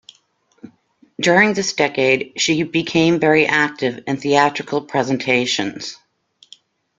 During this decade she became very active in theatrical presentations.